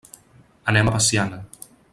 Anem a Veciana.